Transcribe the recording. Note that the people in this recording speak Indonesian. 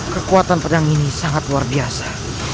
kekuatan pedang ini sangat luar biasa